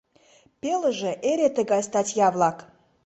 Пелыже эре тыгай статья-влак.